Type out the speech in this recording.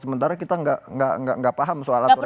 sementara kita gak paham soal aturan yang ada